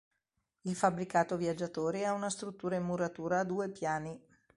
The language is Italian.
Il fabbricato viaggiatori è una struttura in muratura a due piani.